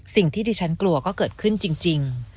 สิ่งที่ดิฉันกลัวก็เกิดขึ้นจริง